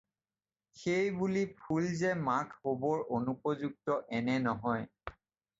সেই বুলি ফুল যে মাক হ'বৰ অনুপযুক্ত এনে নহয়।